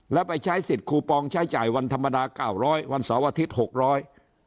แล้วไปใช้สิทธิ์คูปองใช้จ่ายวันธรรมดา๙๐๐วันเสาร์อาทิตย์๖๐๐